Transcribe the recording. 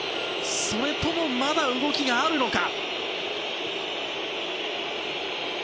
それとも、まだ動きがあるのか。